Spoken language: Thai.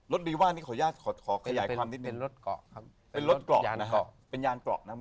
รถรีว่านี่ขอขยายความนิดนึงเป็นรถเกาะครับเป็นรถเกาะนะครับเป็นยานเกาะนะครับ